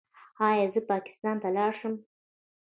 ایا زه پاکستان ته لاړ شم؟